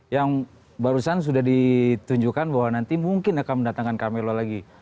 yang barusan sudah ditunjukkan bahwa nanti mungkin akan mendatangkan camelo lagi